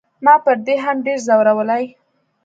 ما پر دې هم ډېر زورولی.